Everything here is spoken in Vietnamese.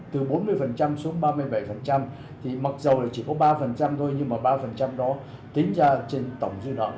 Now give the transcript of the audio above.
từ bốn mươi xuống ba mươi bảy thì mặc dù chỉ có ba thôi nhưng mà ba đó tính ra trên tổng dư nợ